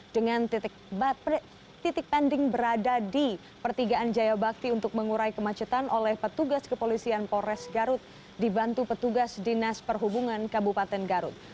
dengan titik pending berada di pertigaan jayabakti untuk mengurai kemacetan oleh petugas kepolisian polres garut dibantu petugas dinas perhubungan kabupaten garut